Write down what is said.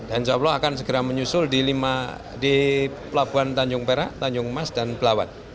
insya allah akan segera menyusul di pelabuhan tanjung perak tanjung emas dan pelawat